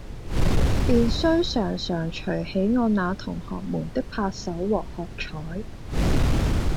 便須常常隨喜我那同學們的拍手和喝采。